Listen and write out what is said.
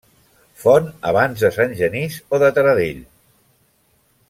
Font abans de Sant Genís o de Taradell.